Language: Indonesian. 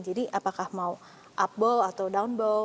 jadi apakah mau up bow atau down bow